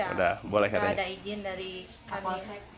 udah udah ada izin dari kami